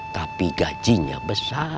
tapi gajinya besar